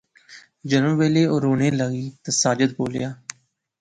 جلن ویلے او رونے لاغی تے ساجد بولیا